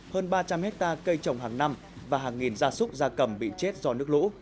hơn ba trăm linh hectare cây trồng hàng năm và hàng nghìn gia súc gia cầm bị chết do nước lũ